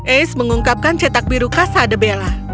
ace mengungkapkan cetak biru casa de bella